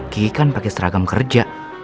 ki kan pakai seragam kerja